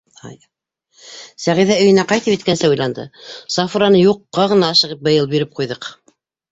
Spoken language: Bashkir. Сәғиҙә өйөнә ҡайтып еткәнсе уйланды: Сафураны юҡҡа ғына ашығып быйыл биреп ҡуйҙыҡ.